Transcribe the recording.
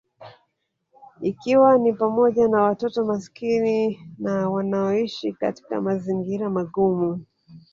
Ikiwa ni pamoja na watoto maskini na wanaoishi katika mazingira magumu